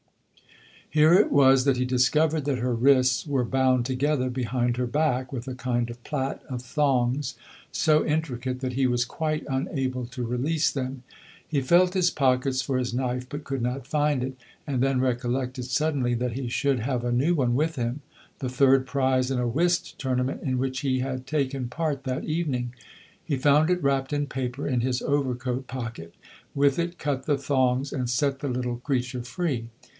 Here it was that he discovered that her wrists were bound together behind her back with a kind of plait of thongs so intricate that he was quite unable to release them. He felt his pockets for his knife, but could not find it, and then recollected suddenly that he should have a new one with him, the third prize in a whist tournament in which he had taken part that evening. He found it wrapped in paper in his overcoat pocket, with it cut the thongs and set the little creature free.